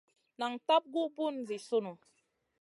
Nan tab gu bùn zi sùn.